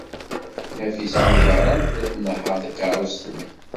Nafisa n Ubeṛṛan tella tnehheṛ takeṛṛust-nni.